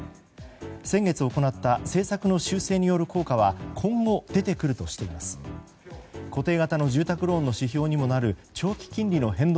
先月行った政策の修正による効果は今後出てくるとしています。